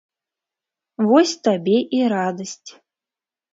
Вось табе і радасць.